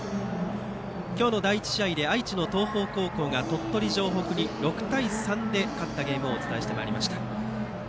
今日の第１試合で愛知の東邦高校が鳥取城北に６対３で勝ったゲームをお伝えしてまいりました。